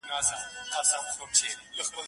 دلته پر ګودر باندي به ټیک او پېزوان څه کوي